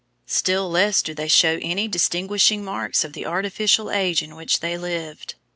Still less do they show any distinguishing marks of the artificial age in which they lived.